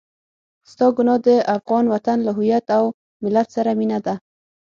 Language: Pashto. ستا ګناه د افغان وطن له هويت او ملت سره مينه ده.